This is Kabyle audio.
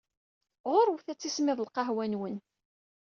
Ɣur-wet ad tismiḍ lqahwa-nwen!